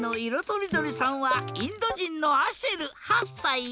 とりどりさんはインドじんのアシェル８さい。